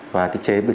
và cái chế bệnh nhân